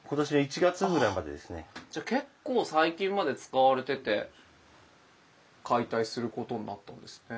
じゃ結構最近まで使われてて解体することになったんですね。